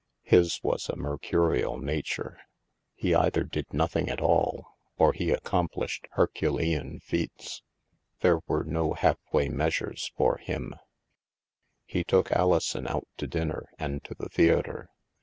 His was a mercurial nature; he either did nothing at all, or he accomplished Herculean feats. There were no half way meas ures for him. 3o6 THE MASK He took Alison out to dinner and to the theatre.